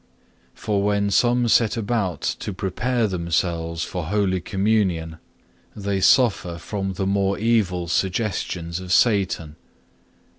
2. For when some set about to prepare themselves for Holy Communion, they suffer from the more evil suggestions of Satan.